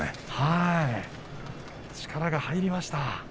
力が入りました。